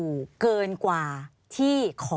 ปีอาทิตย์ห้ามีส